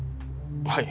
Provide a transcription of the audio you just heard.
はい。